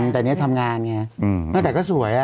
แต่นี่ทำงานไงตั้งแต่ก็สวย